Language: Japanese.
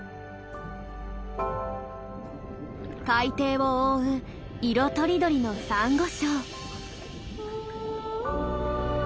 海底を覆う色とりどりのサンゴ礁。